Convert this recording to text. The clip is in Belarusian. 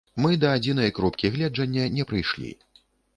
Мы да адзінай кропкі гледжання не прыйшлі.